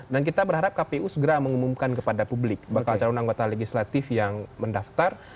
dan kita berharap kpu segera mengumumkan kepada publik bakal calon anggota legislatif yang mendaftar